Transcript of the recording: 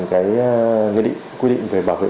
cái quy định về bảo vệ